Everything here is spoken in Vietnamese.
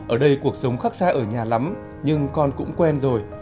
ở đây cuộc sống khác xa ở nhà lắm nhưng con cũng quen rồi